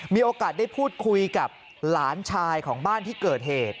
มีโอกาสได้พูดคุยกับหลานชายของบ้านที่เกิดเหตุ